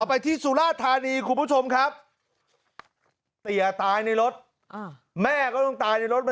ต่อไปที่สุราชธารีย์